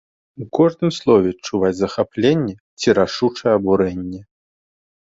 У кожным слове чуваць захапленне ці рашучае абурэнне.